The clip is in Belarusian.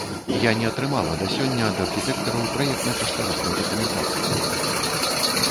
Я не атрымала да сёння ад архітэктараў праектна-каштарыснай дакументацыі.